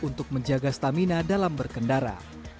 untuk menjaga stamina dalam berkendara